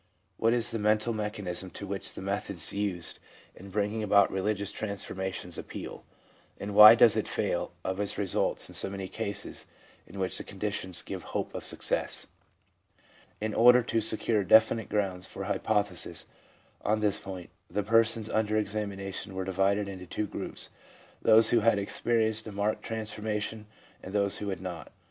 What is the mental mechanism to which the methods used in bringing about religious transformations appeal, and why does it fail of its results in many cases in which the conditions give hope of success ?* In order to secure definite grounds for an hypothesis on this point, the persons under examination were divided into two groups, those who had experienced a marked transformation, and those who had not. ...